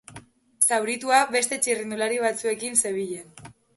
Zauritua beste txirrindulari batzuekin zebilen.